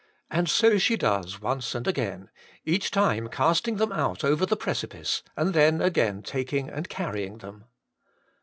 And so she does once and again, each time casting them out over the precipice, and then again taking and carrying them.